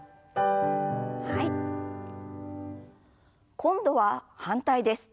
今度は反対です。